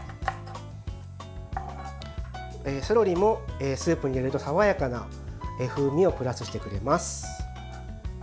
セロリもスープに入れると爽やかな風味をプラスしてくれます。